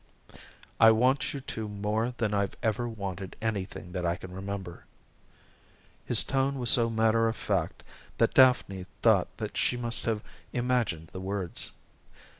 "I want you to more than I've ever wanted anything that I can remember." His tone was so matter of fact that Daphne thought that she must have imagined the words.